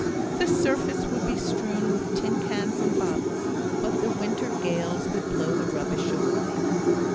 The surface would be strewn with tin cans and bottles, but the winter gales would blow the rubbish away.